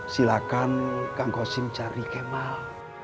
silahkan kang kho sim cari kemal